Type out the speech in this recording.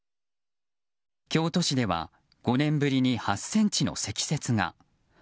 京都市では５年ぶりに８ｃｍの積雪が。